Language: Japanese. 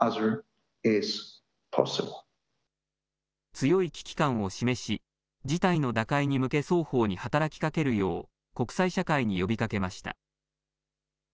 強い危機感を示し、事態の打開に向け、双方に働きかけるよう、国際社会に呼びかけました。